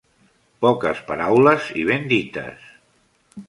Poques paraules i ben dites